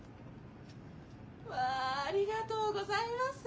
わあありがとうございます。